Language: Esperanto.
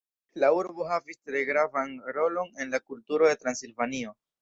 La urbo havis tre gravan rolon en la kulturo de Transilvanio.